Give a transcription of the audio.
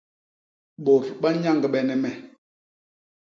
Bôt ba nyañgbene me.